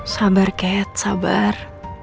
sabar kat sabar